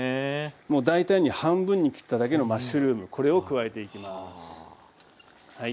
もう大体に半分に切っただけのマッシュルームこれを加えていきます。